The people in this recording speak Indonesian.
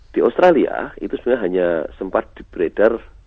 di australia itu sebenarnya hanya sempat beredar